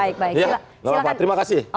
nggak apa apa terima kasih